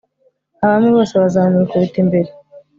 abami bose bazamwikubita imbere